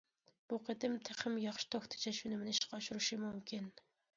بۇ قېتىم تېخىمۇ ياخشى توك تېجەش ئۈنۈمىنى ئىشقا ئاشۇرۇشى مۇمكىن.